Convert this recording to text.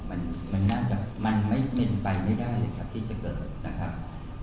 มันน่าจะมันไม่เป็นไปไม่ได้เลยครับที่จะเกิดนะครับ